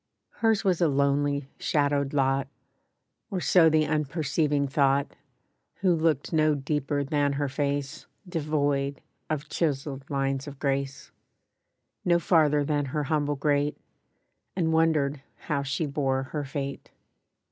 HERS was a lonely, shadowed lot; Or so the unperceiving thought, Who looked no deeper than her face, Devoid of chiseled lines of grace— No farther than her humble grate, And wondered how she bore her fate.